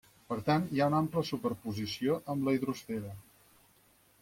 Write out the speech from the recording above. Per tant, hi ha una àmplia superposició amb la hidrosfera.